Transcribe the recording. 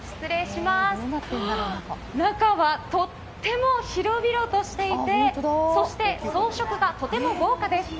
中は、とっても広々としていてそして、装飾がとても豪華です。